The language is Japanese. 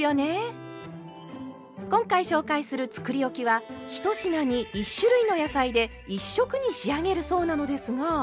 今回紹介するつくりおきは１品に１種類の野菜で１色に仕上げるそうなのですが。